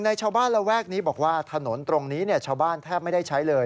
ชาวบ้านระแวกนี้บอกว่าถนนตรงนี้ชาวบ้านแทบไม่ได้ใช้เลย